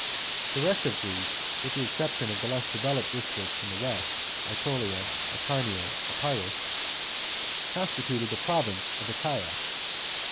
(2) The rest of Greece (with the exception of the less developed districts in the west, JStolia, Acarnania, Epirus) constituted the province of Achaia.